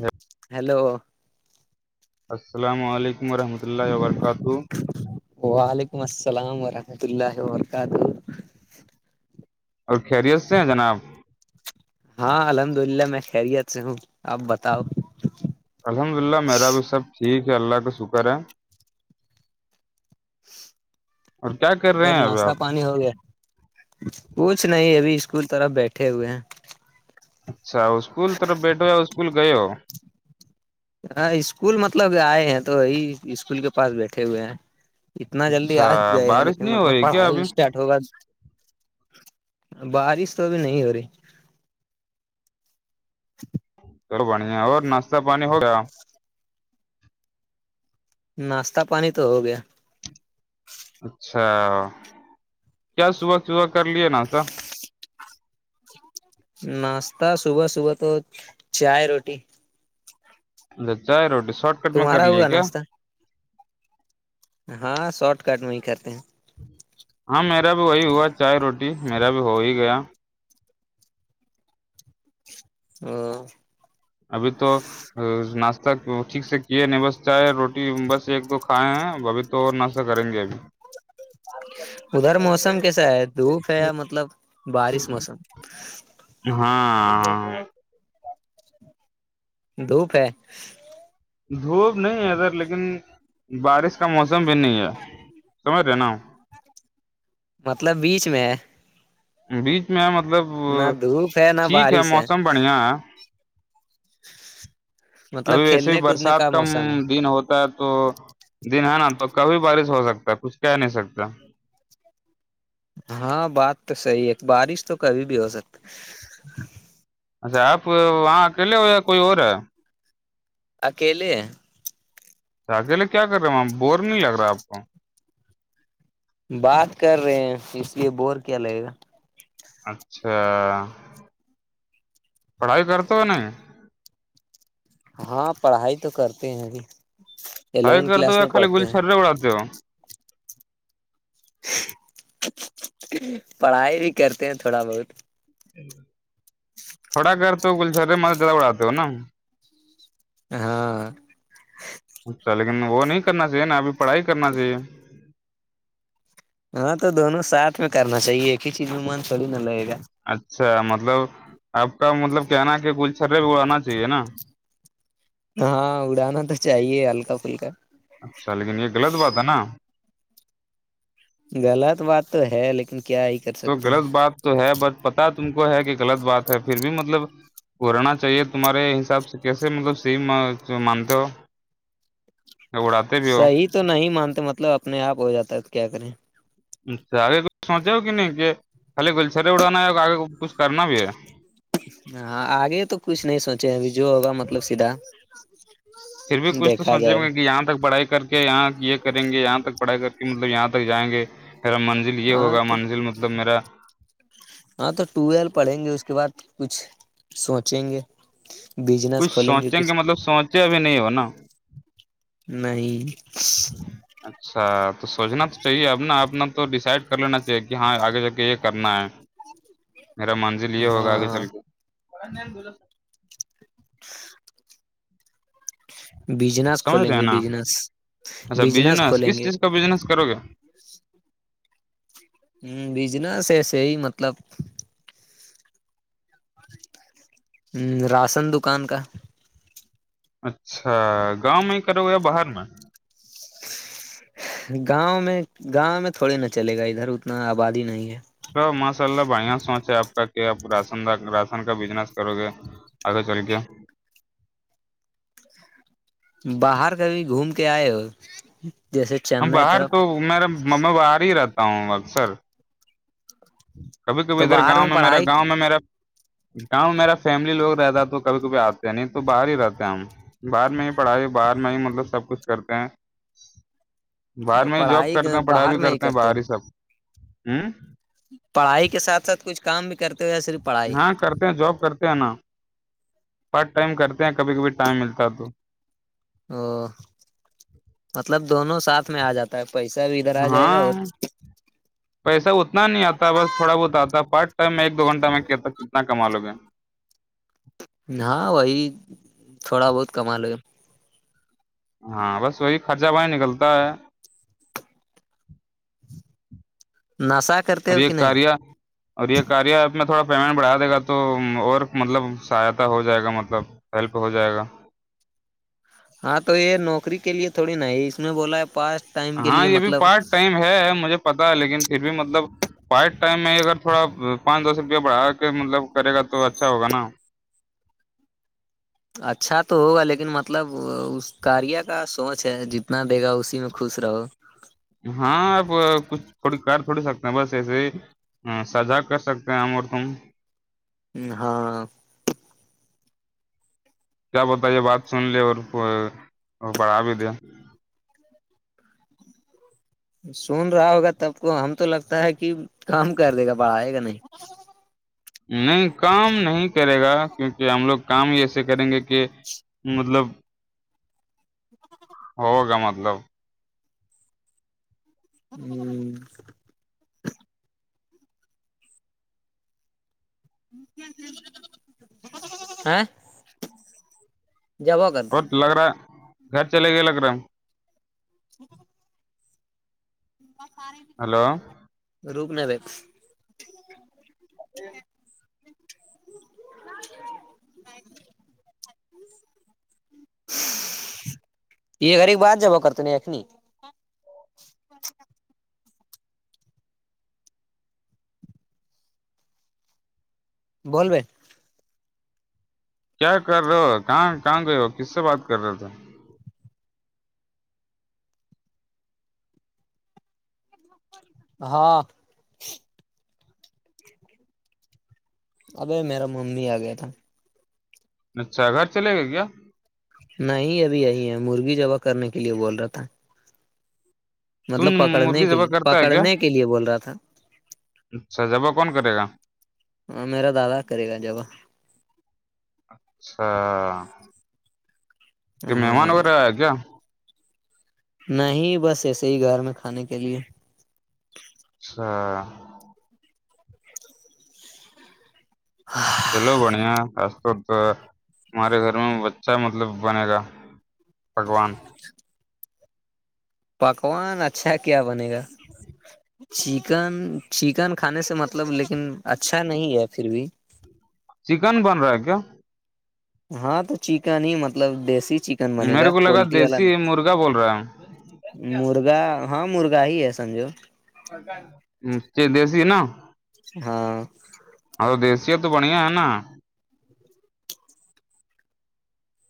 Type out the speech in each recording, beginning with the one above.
ہاں [unintelligible] ہیلو السلام علیکم ورحمۃ اللہ وبرکاتہ وعلیکم السلام ورحمۃ اللہ وبرکاتہ اور خیریت سے ہیں جناب ہاں الحمد للہ میں خیریت سے ہوں آپ بتاؤ الحمد للہ میرا بھی سب ٹھیک ہے اللہ کا شکر ہے [unintelligible] کر رہے اور ہیں ابھی ناشتہ آپ پانی ہو گیا کچھ نہیں ابھی اسکول طرف بیٹھے ہوئے ہیں اچھا اسکول طرف بیٹھا ہو یا اسکول گئے ہو ہاں اسکول مطلب آئے ہیں تو وہی اسکول کے پاس بیٹھے ہوئے ہیں اتنا جلدی اچھا آج گئے ہیں بارش لیکن نہیں ہو مطلب رہی کیا پڑھائی ابھی اسٹارٹ ہوگا بارش تو ابھی نہیں ہو رہی چلو بڑھیا اور ناشتا پانی ہو گیا ناشتہ پانی تو ہو گیا اچھا کیا صبح صبح کر لیے ناشتہ ناشتہ صبح صبح تو چائے روٹی چائے روٹی سرٹ تمہارا ہوا ناشتہ ہاں شارٹ کٹ میں ہی کرتے ہیں ہاں میرا بھی وہی ہوا چائے روٹی میرا بھی ہو ہی گیا ہ [unintelligible] ابھی تو ناشہ ٹھیک سے کیے نہیں بس چاہے روٹی بس ایک دو کھائے ہیں تو اور ناشتہ کریں گے ابھی ادھر موسم کیسا ہے دھوپ ہے یا مطلب بارش موسم ہاں دھوپ ہے دھوپ نہیں ہے ادھر لیکن بارش کا موسم بھی نہیں ہے سمجھ رہے نا مطلب بیچ میں ہے بیچ میں ہے مطلب نہ دھوپ ہے نہ ٹھیک ہے بارش موسم بڑھیا ہے مطلب ابھی ویسے بھی کھیلنے کودنے برسات کا کم موسم ہے دن ہوتا تا تو دن ہے نا تو کبھی بارش ہو سکتا ہے کچھ کہہ نہیں سکتا ہاں بات تو صحیح ہے بارش تو کبھی بھی ہو سکتا اچھا آپ وہاں اکیلے ہو یا کوئی اور ہے اکیلے ہیں اکیلے کیا کر رہے ہیں وہاں بور نہیں لگ رہا آپ کو بات کر رہے ہیں اس لیے بور کیا لگے گا اچھا پڑھائی کرتے ہو نہیں ہاں پڑھائی تو کرتے ہیں ابھی الیونتھ کلاس میں پڑھتے ہیں بڑاتے ہو پڑھائی بھی کرتے ہیں تھوڑا بہت ہ تھوڑا کرتے ہو خوب سارے مزے اڑاتے ہو نا ہاں اچھا لیکن وہ نہیں کرنا چاہیے نا ابھی پڑھائی کرنا چاہیے ہاں تو دونوں ساتھ میں کرنا چاہیے ایک ہی چیز میں من تھوڑی نہ لگے گا اچھا مطلب آپ کا مطلب کہنا کہ گل چھرے بھی اڑانا چاہیے نا ہاں اڑانا تو چاہیے ہلکا پھلکا اچھا لیکن یہ غلط بات ہے نا غلط بات تو ہے لیکن کیا ہی کر تو سکتے ہیں غلط بات تو ہے بٹ پتا تم کو ہے کہ غلط بات ہے پھر بھی مطلب بور ہونا چاہیے تمہارے حساب سے کیسے مطلب سیم مانتے ہو یا اڑاتے بھی ہو صحیح تو نہیں مانتے مطلب اپنے آپ ہو جاتا ہے تو کیا کریں اچھا آگے کچھ سوچے ہو کہ نہیں کہ خالی گلچرے اڑانا ہے آگے کچھ کرنا بھی ہے ہاں آگے تو کچھ نہیں سوچے ابھی جو ہوگا مطلب سیدھا س پھر بھی کچھ تو سوچیں ہو گے کہ یہاں تک پڑھائی کر کے یہاں یہ کریں گے یہاں تک پڑھائی کر کے مطلب یہاں تک جائیں گے پھر من منزل یہ ہاں ہوگا تو منزل مطلب میرا ہاں تو ٹویلو پڑھیں گے اس کے بعد کچھ سوچیں گے بجنس کچھ کھولیں سوچیں گے کچھ مطلب سوچے ابھی نہیں ہو نا نہیں اچھا تو سوچنا تو چاہیے اب نا اپنا تو ڈیسائڈ کر لینا چاہیے کہ ہاں آگے جا کے یہ کرنا ہے میرا منزل یہ ہوگا آگے ہاں چل کے بجنس سمجھ کھولیں رہے ہیں گے نا بجنس اچھا بجنس بزنس کھولیں کس گے چیز کا بزنس کرو گے بجنس ایسے ہی مطلب راشن دکان کا اچھا گاؤں میں ہی کرو گے یا باہر میں گاؤں میں گاؤں میں تھوڑے نہ چلے گا ادھر اتنا آبادی نہیں ہے ماشاء اللہ بڑھیا سوچ ہے آپ کا کہ آپ راش راشن کا بزنس کرو گے اگے چل کے باہر کبھی گھوم کے آئے ہو جیسے چنئی باہر طرف تو میں باہر ہی رہتا ہوں اکثر کبھی کبھی تو ادھر باہر گاؤں میں میرا پڑھائی گاؤں میں میرا گاؤں میرا فیملی لوگ رہتا ہے تو کبھی کبھی آتے ہیں نہیں تو باہر ہی رہتے ہیں ہم بہر میں ہی پڑھائی بہر میں ہی مطلب سب کچھ کرتے ہیں باہر میں ہی جاب پڑھائی کرتے ہیں پڑھائی باہر بھی میں کرتے ہیں ہو باہر ہی سب پڑھائی کے ساتھ ساتھ کچھ کام بھی کرتے ہو یا صرف پڑھائی ہاں کرتے ہیں جاب کرتے ہیں نا پارٹ ٹائم کرتے ہیں کبھی کبھی ٹائم ملتا ہے تو او مطلب دونوں ساتھ میں آ جاتا ہے پیسہ بھی ادھر آ جائے گا اور ہ پیسہ اتنا نہیں آتا بس تھوڑا بہت آتا پارٹ ٹائم میں ایک دو گھنٹہ میں کتنا کما لو گے ہاں وہی تھوڑا بہت کما لو گے ہاں بس وہی خرچہ پانی نکلتا ہے ناساک اور یہ کاریہ اور یہ کاریہ ایپ میں تھوڑا پیمنٹ بڑھا دے گا تو اور مطلب سہایتا ہو جائے گا مطلب ہیلپ ہو جائے گا ہاں تو یہ نوکری کے لیے تھوڑی نا اس میں بولا ہے پاسٹ ہاں یہ بھی پارٹ ٹائم ہے مجھے پتا ہے لیکن پھر بھی مطلب پارٹ ٹائم میں اگر تھوڑا پانچ دس روپیہ بڑھا کے مطلب کرے گا تو اچھا ہوگا نا اچھا تو ہوگا لیکن مطلب اس کاریہ کا سوچ ہے جتنا دے گا اسی میں خوش رہو ہاں آپ کچھ تھوڑی کر تھوڑی سکتے ہیں بس ایسے ہی ہاں سزا کر سکتے ہیں ہم اور تم ہاں کیا پتہ یہ بات سن لیے اور پڑھا بھی دے سن رہا ہوگا تب کو ہم تو لگتا ہے کہ کم کر دے گا بڑھائے گا نہیں نہیں کم نہیں کرے گا کیونکہ ہم لوگ کام ہی ایسے کریں گے کہ مطلب ہوگا مطلب ہوں اور [inaudible] لگ رہا گھر چلے گئے لگ رہا [unintelligible] سار ہلو رک نا رے ا یہ گھر کے بعات جبا کرتے ن خنی چ بول بے کیا کر رہے ہو کہاں کہاں گئے ہو کس سے بات کر رہے تھے ہاں ابھے میرا ممی آ گیا تھا اچھا گھر چلے گئے کیا نہیں ابھی یہی ہے مرغی زبہ کرنے کے لیے بول رہا تھا تم مطلب پکڑنے مرغی کے ذبح لیے کرتا ہے کیا پکڑنے کے لیے بول رہا تھا اچھا ذبہ کون کرے گا ہاں میرا دادا کرے گا ذبہ اچھا کہ مہمان ہاں وغیرہ آیا کیا نہیں بس ایسے ہی گھر میں کھانے کے لیے اچھا ہاں چلو بڑھیا خاص طور پر ہمارے گھر میں بچھا مطلب بنے گا پکوان پکوان اچھا کیا بنے گا چکن چکن کھانے سے مطلب لیکن اچھا نہیں ہے پھر بھی چکن بن رہا ہے کیا ہاں تو چکن ہی مطلب دیسی چکن بنے گا میرے کو لگا پولٹری والا دیسی نہیں مرغا بول رہا مرغا ہاں مرغا ہی ہے سمجھو چ دیسی ہے نا ہاں اور دیسیی ہے تو بڑھیا ہے نا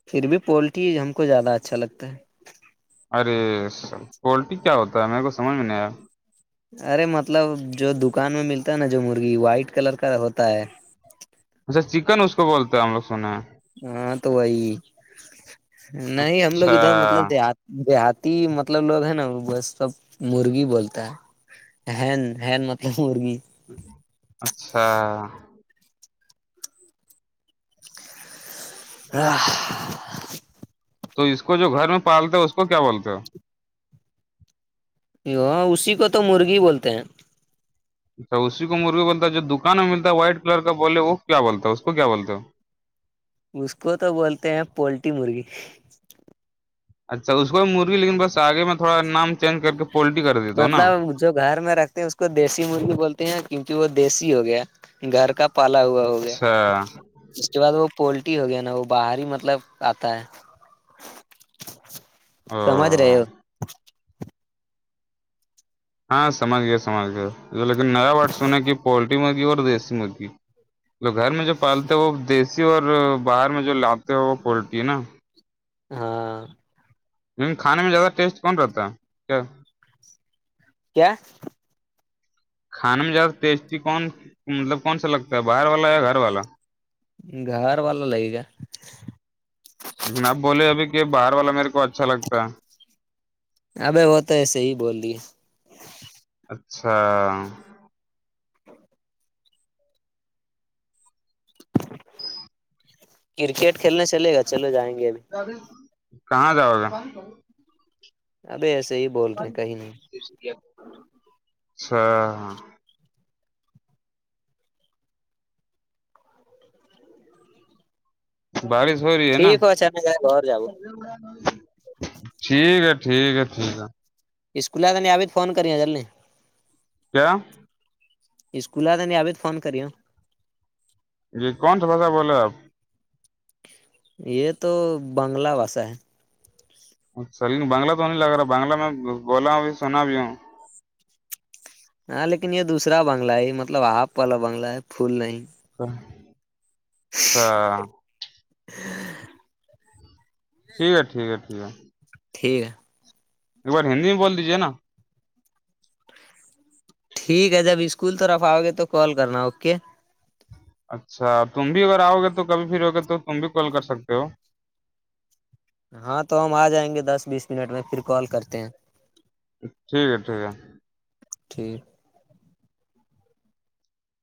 پھر بھی پولٹری ہم کو زیادہ اچھا لگتا ہے ارے سر کوالٹی کیا ہوتا ہے میرے کو سمجھ میں نہیں آیا ارے مطلب جو دکان میں ملتا ہے نا جو مرغی وائٹ کلر کا ہوتا ہے اچھا چکن اس کو بولتا ہے ہم لوگ سنے ہیں ہاں تو وہی نہیں ہم لوگ اچھا ادھر مطلب دیہ دیہاتی مطلب لوگ ہے نا بس سب مرغی بولتا ہے ہین ہین مط مرغی اچھا ہاں تو اس کو جو گھر میں پالتے ہو اس کو کیا بولتے ہو ی اسی کو تو مرغی بولتے ہیں اچھا اسی کو مرغے بولتا جو دکان میں متا وائٹ کلر کا بولے وہ کیا بولتا ہے اس کو کیا بولتے ہو اس کو تو بولتے ہیں پولٹی مرغی اچھا اس کو بھی مرغی لیکن بس آگے میں تھوڑا نام چینج کر کے پولٹری کر دیتا ہ نا مطلب جو گھر میں رکھتے ہیں اس کو دیسی مرغی بولتی ہیں کیونکہ وہ دیسی ہو گیا گھر کا پالا ہوا ہو گیا اچھا اس کے بعد وہ پولٹری ہو گیا نا وہ باہر ہی مطلب آتا ہے [inaudible] سمجھ رہے ہو ہاں سمجھ گیا سمجھ گیا لیکن نیا واٹ [inaudible] تو گھر میں جو پالتے ہیں وہ دیسی اور باہر میں جو لاتے ہیں وہ پولٹری ہے نا ہاں لیکن کھانے میں زیادہ ٹیسٹ کون رہتا ہے کیا کیا کھانے میں زیادہ ٹیسٹی کون مطلب کون سا لگتا ہے باہر والا یا گھر والا گھر والا لگے گا آب بولے ابھی کہ باہر والا میرے کو اچھا لگتا ہے ابے وہ تو ایسے ہی بول رہ ہے اچھا کرکٹ کھیلنے چلے گا چلو جائیں گے ابھی کہاں جاؤ گا ابھی ایسے ہی بہت اچھا بارش ہو رہی ہے نا ٹھیک ہو اچانک جائے گھر جاؤ ٹھیک ہے ٹھیک ہے ٹھیک ہے اسکلا تو نہیں آبھی فون کری ہیں چلے کیا اسکول آ تھا نہیں آبت فون کریے جی کون سا بھاشا بول رہے ہیں آپ یہ تو بنگلہ بھاشا ہے اچھا لیکن بنگلہ تو نہیں لگ رہا بنگلہ میں بولا ہوں بھی سنا بھی ہوں ہاں لیکن یہ دوسرا بنگلہ ہے مطلب ہاف والا بنگلہ ہے پھول نہیں اچھا [inaudible] [inaudible] [inaudible] ٹھیک ہے ٹھیک ہے ٹھیک ہے ٹھیک ہے ایک بار ہندی میں بول دیجیے نا ٹھیک ہے جب اسکول طرف آؤ گے تو کال کرنا اوکے اچھا تم بھی اگر آؤ گے تو کبھی پھرو گے تو تم بھی کال کر سکتے ہو ہاں تو ہم آ جائیں گے دس بیس منٹ میں پھر کال کرتے ہیں ٹھیک ہے ٹھیک ہے ٹھیک